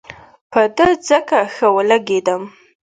په ده ځکه ښه ولګېدم.